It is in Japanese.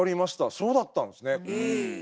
そうだったんですね。